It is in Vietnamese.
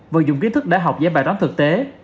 và dùng kiến thức để học giải bài toán thực tế